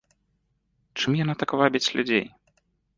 Чым яна так вабіць людзей?